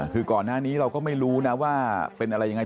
คือก่อนหน้านี้เราก็ไม่รู้นะว่าเป็นอะไรยังไง